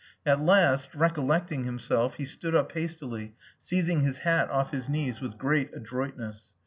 At last, recollecting himself, he stood up hastily, seizing his hat off his knees with great adroitness.